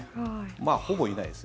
まあ、ほぼいないです。